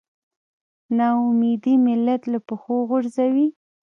نا اميدي ملت له پښو غورځوي.